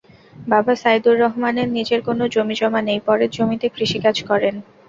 বাবা সাইদুর রহমানের নিজের কোনো জমিজমা নেই, পরের জমিতে কৃষিকাজ করেন।